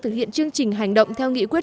thực hiện chương trình hành động theo nghị quyết